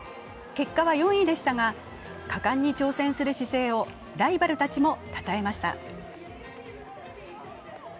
結果は４位でしたが、果敢に挑戦する姿勢をライバルたちもたたえました。